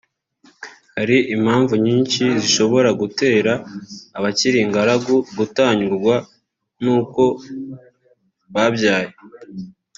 Hari impamvu nyinshi zishobora gutera abakiri ingaragu kutanyurwa n’uko babyaye